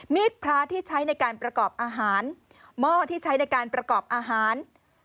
พระที่ใช้ในการประกอบอาหารหม้อที่ใช้ในการประกอบอาหาร